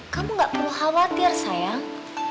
kamu nggak perlu khawatir sayang